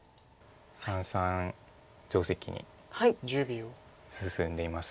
三々定石に進んでいます。